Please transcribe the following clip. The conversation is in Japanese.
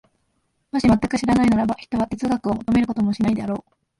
もし全く知らないならば、ひとは哲学を求めることもしないであろう。